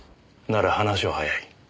なら話は早い。